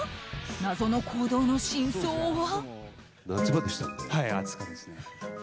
謎の行動の真相は。